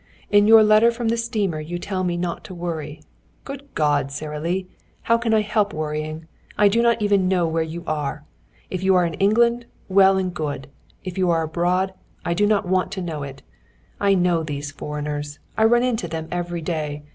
In your letter from the steamer you tell me not to worry. Good God, Sara Lee, how can I help worrying? I do not even know where you are! If you are in England, well and good. If you are abroad I do not want to know it. I know these foreigners. I run into them every day.